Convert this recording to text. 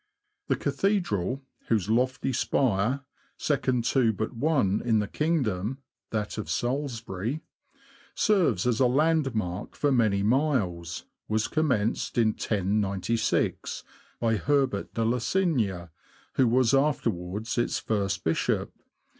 The Cathedral, whose lofty spire (second to but one in the kingdom — that of Salisbury) serves as a land 72 THE LAND OF THE BROADS. mark for many miles, was commenced in 1096, by Herbert de Losigna, who was afterwards its first bishop.